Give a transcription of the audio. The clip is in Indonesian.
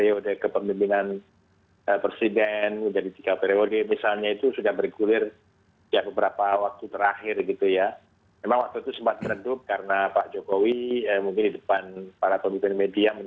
oke selamat malam